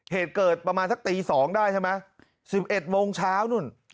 เหตุเกิดประมาณสักตี๒ได้ใช่ไหม๑๑โมงเช้านู่น